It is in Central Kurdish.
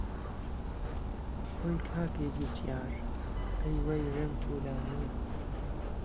ئۆی کاکی جووتیار، ئهی وهی رێم توولانییه